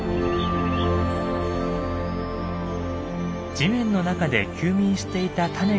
地面の中で休眠していた種が芽吹き